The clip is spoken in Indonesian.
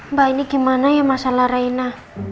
mbak ini gimana ya masalah raina